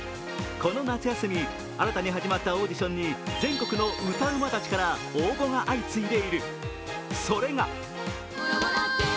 この夏休み、新たに始まったオーディションに全国の歌うまたちから応募が相次いでいる。